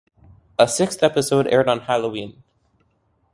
A sixth episode aired on Halloween.